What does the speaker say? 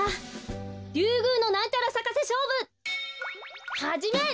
リュウグウのなんちゃらさかせしょうぶはじめ！